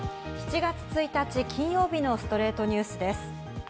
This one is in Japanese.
７月１日、金曜日の『ストレイトニュース』です。